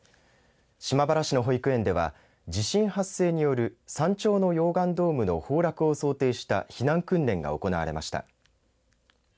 島原市の保育園では地震発生による山頂の溶岩ドームの崩落を想定した避難訓練が行われました。